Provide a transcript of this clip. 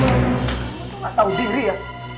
gak tau diri ya